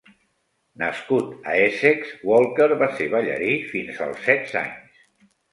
Nascut a Essex, Walker va ser ballarí fins als setze anys.